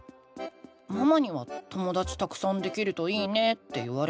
ママには「ともだちたくさんできるといいね」って言われたけど。